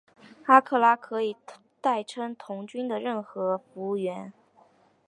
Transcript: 阿克拉可以代称童军的任何服务员。